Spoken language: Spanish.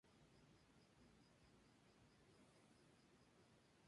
Era hombre de pequeña estatura, cariñoso y afable, de concepciones liberales, gran amigo.